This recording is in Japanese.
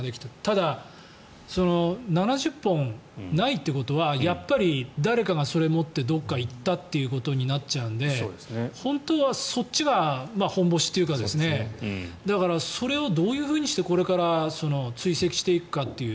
ただ、７０本ないということはやっぱり誰かがそれを持ってどこかに行ったということになっちゃうので本当はそっちがホンボシというかだから、それをどういうふうにしてこれから追跡していくかという。